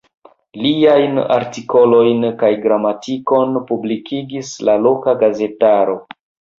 Liajn artikolojn kaj gramatikon publikigis la loka gazetaro.